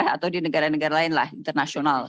atau di negara negara lain lah internasional